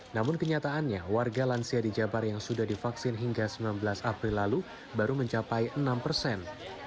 namun kenyataannya warga lansia di jabar yang sudah divaksin hingga sembilan belas april lalu baru mencapai enam persen